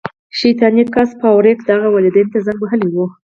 شیطاني ګس فارویک د هغه والدینو ته زنګ وهلی و